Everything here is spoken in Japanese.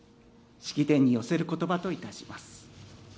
式典に寄せる言葉といたします。